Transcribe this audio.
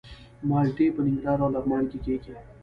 مالټې په ننګرهار او لغمان کې کیږي.